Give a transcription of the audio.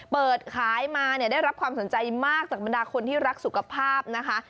เปิดขายมาเนี่ยได้รับความสนใจมากจากบรรดาคนที่รักสุขภาพนะคะ